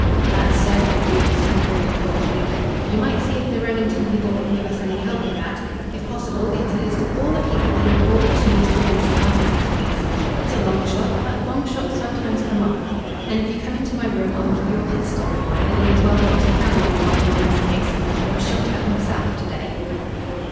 "That's so," agreed his superior thoughtfully. "You might see if the Remington people can give us any help with that. If possible, get a list of all the people who have bought machines during this last six weeks. It's a long shot, but long shots sometimes come off. And if you come into my room I'll give you a pistol. It'll be as well for you to carry one while you're on this case. I was shot at myself, to day."